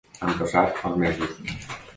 Han passat els mesos.